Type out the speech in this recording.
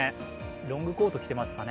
ロングコート着てますかね。